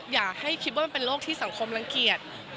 อย่าให้คิดว่ามันเป็นโรคที่สังคมรังเกียจ